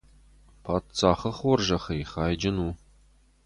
Паддзахы хорзӕхӕй хайджын у!